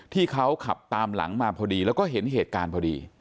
ที่เขาขับตามหลังมาพอดีแล้วก็เห็นเหตุการณ์พอดี